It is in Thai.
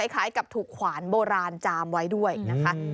คล้ายกับถูกขวานโบราณจามไว้ด้วยนะคะ